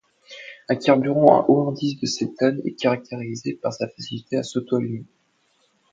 Un carburant à haut indice de cétane est caractérisé par sa facilité à s'auto-allumer.